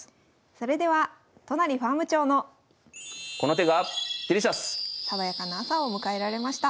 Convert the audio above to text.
それでは都成ファーム長の爽やかな朝を迎えられました。